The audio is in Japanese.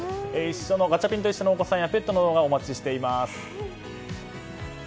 ガチャピンといっしょ！やペットの動画お待ちしています。